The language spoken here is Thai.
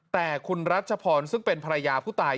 แต่คุณรัชพรซึ่งเป็นภรรยาผู้ตาย